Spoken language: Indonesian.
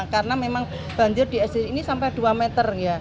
karena memang banjir di sd ini sampai dua meter